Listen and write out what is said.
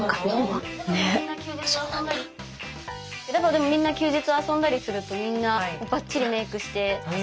でもみんな休日遊んだりするとみんなバッチリメークして。